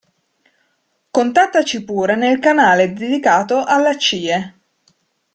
Contattaci pure nel canale dedicato alla CIE.